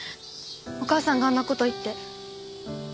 お母さんがあんな事言って。